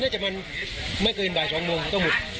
๑๐๐น่าจะมันไม่เคยรีบร้าย๑๒โมงก็หมด